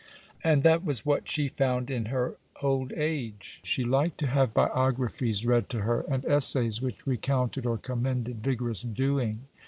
And that was what she found in her old age. She liked to have biographies read to her, and essays which recounted or commended vigorous doing.